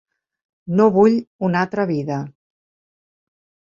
No vull una altra vida.